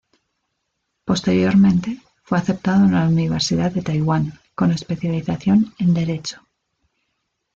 Posteriormente, fue aceptado en la Universidad de Taiwán, con especialización en derecho.